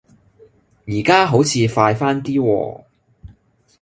而家好似快返啲喎